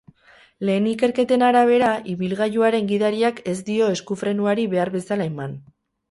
Lehen ikerketen arabera, ibilgailuaren gidariak ez dio esku-frenuari behar bezala eman.